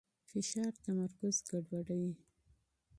فشار تمرکز ګډوډوي.